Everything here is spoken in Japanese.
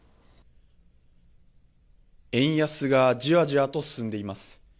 円安がじわじわと進んでいます。